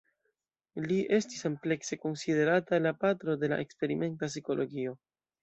Li estis amplekse konsiderata la "patro de la eksperimenta psikologio".